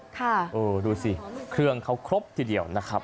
ค่ะเออดูสิเครื่องเขาครบทีเดียวนะครับ